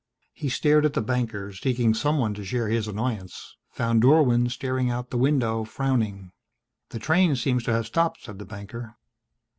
He stared at the banker, seeking someone to share his annoyance, found Dorwin staring out the window, frowning. "The train seems to have stopped," said the banker.